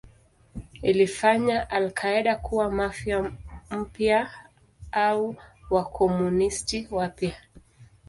Ilifanya al-Qaeda kuwa Mafia mpya au Wakomunisti wapya.